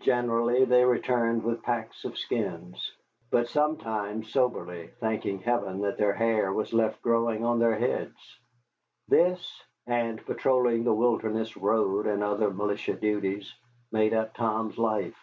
Generally they returned with packs of skins. But sometimes soberly, thanking Heaven that their hair was left growing on their heads. This, and patrolling the Wilderness Road and other militia duties, made up Tom's life.